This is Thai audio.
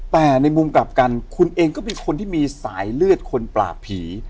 แต่ในมุมกลับกันคุณเองก็เป็นคนที่มีสายเลือดคนปราบผี